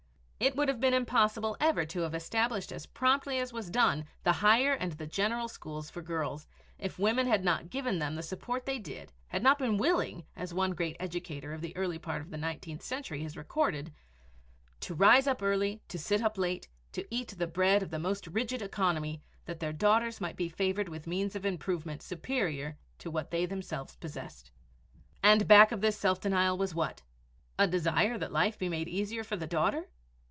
It would have been impossible ever to have established as promptly as was done the higher and the general schools for girls if women had not given them the support they did, had not been willing, as one great educator of the early part of the nineteenth century has recorded "to rise up early, to sit up late, to eat the bread of the most rigid economy, that their daughters might be favored with means of improvement superior to what they themselves possessed." And back of this self denial was what? A desire that life be made easier for the daughter?